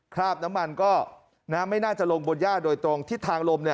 คราบน้ำมันก็ไม่น่าจะลงบนย่าโดยตรงทิศทางลมเนี่ย